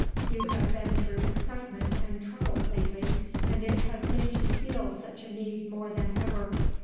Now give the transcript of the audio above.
You have been through excitement and trouble lately, and it has made you feel such a need more than ever.